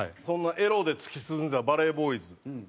そんなエロで突き進んだ『バレーボーイズ』。